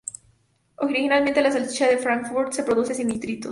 Originalmente la salchicha de Frankfurt se produce sin nitritos.